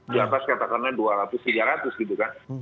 di atas katakanlah dua ratus tiga ratus gitu kan